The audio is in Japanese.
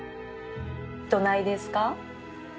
どないですか？